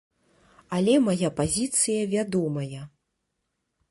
Але мая пазіцыя вядомая.